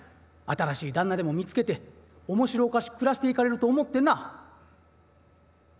新しい旦那でも見つけて面白おかしく暮らしていかれると思ってな」。